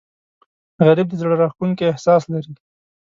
غریب د زړه راښکونکی احساس لري